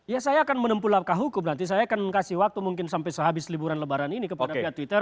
ya saya akan menempuh langkah hukum nanti saya akan kasih waktu mungkin sampai sehabis liburan lebaran ini kepada pihak twitter